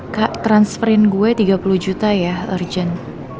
kak transferint gue tiga puluh juta ya urgent